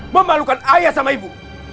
memalukan ayah sama ibu